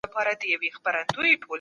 ګراني! ددې وطن